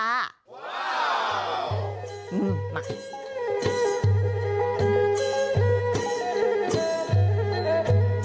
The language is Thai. ว้าว